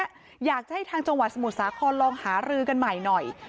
อยากจะให้ทางจังหวัดสมุทรสาครลองหารือกันใหม่หน่อย